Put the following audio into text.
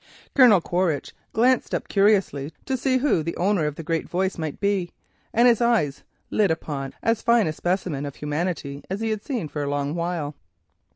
Colonel Quaritch glanced up curiously to see who the owner of the great voice might be, and his eyes lit upon as fine a specimen of humanity as he had seen for a long while.